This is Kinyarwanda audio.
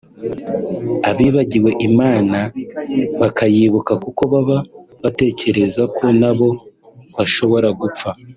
abibagiwe Imana bakayibuka kuko baba batekereza ko nabo bashobora gupfa